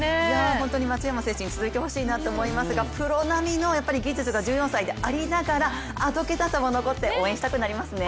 本当に松山選手に続いてほしいなと思いますがプロ並みの技術が１４歳でありながら、あどけなさも残って応援したくなりますね。